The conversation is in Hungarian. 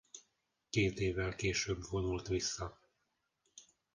Két évvel később vonult vissza.